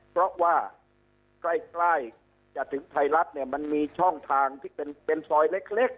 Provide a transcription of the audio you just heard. เพราะว่าใกล้จะถึงไทยรัฐมันมีช่องทางที่เป็นนู่นแดดเหล็ก